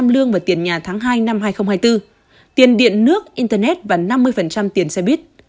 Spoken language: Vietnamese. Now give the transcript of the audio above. một trăm linh lương vào tiền nhà tháng hai năm hai nghìn hai mươi bốn tiền điện nước internet và năm mươi tiền xe buýt